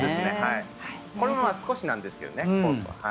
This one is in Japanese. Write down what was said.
これも少しなんですけどね。